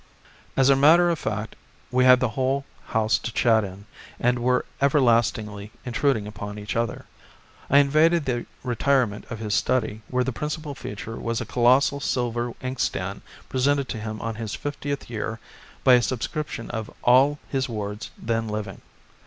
As a matter of fact we had the whole house to chat in, and were everlastingly intruding upon each other. I invaded the retirement of his study where the principal feature was a colossal silver inkstand presented to him on his fiftieth year by a subscription of all his wards then living.